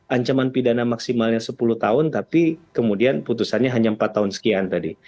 ancaman pidana maksimalnya sepuluh tahun tapi kemudian putusannya hanya empat tahun sekian tadi